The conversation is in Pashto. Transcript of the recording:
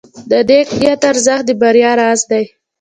د نیک نیت ارزښت د بریا راز دی.